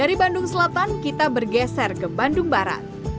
dari bandung selatan kita bergeser ke bandung barat